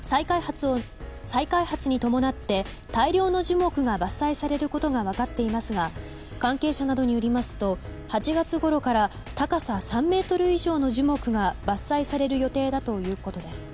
再開発に伴って大量の樹木が伐採されることが分かっていますが関係者などによりますと８月ごろから高さ３ｍ以上の樹木が伐採される予定だということです。